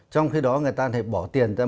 trong khi đó người ta thì bỏ tiền ra